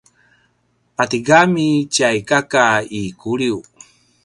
patigami tjay kaka i Kuliu